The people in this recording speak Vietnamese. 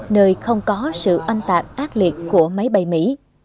nơi không có sự oanh tạc ác liệt của máy bay mỹ